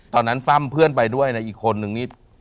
ตอนนั้นฟัมเพื่อนไปด้วยนะอีกคนนึงนี่